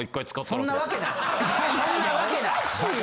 そんなわけない！